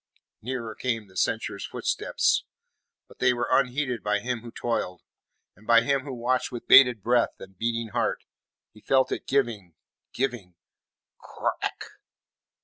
Nearer came the sentry's footsteps, but they went unheeded by him who toiled, and by him who watched with bated breath and beating heart. He felt it giving giving giving. Crack!